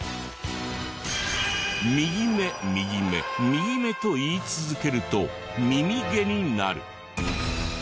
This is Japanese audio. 「右目右目右目」と言い続けると「耳毛」になる？